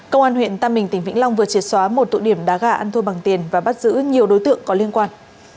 công an huyện tam bình tỉnh vĩnh long vừa triệt xóa một tụ điểm đá gà ăn thua bằng tiền và bắt giữ nhiều đối tượng có liên quan